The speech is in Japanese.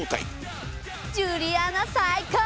ジュリアナ最高！